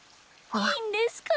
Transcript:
いいんですか？